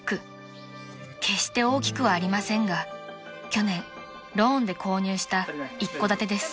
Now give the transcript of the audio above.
［決して大きくはありませんが去年ローンで購入した一戸建てです］